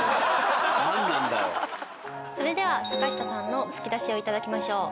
それでは坂下さんの突き出しを頂きましょう。